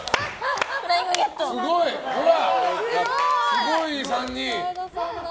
すごい３人。